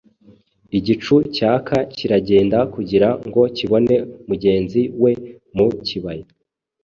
Igicu cyaka kiragenda, kugira ngo kibone mugenzi we mu kibaya.